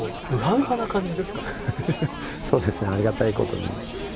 うふふ、そうです、ありがたいことに。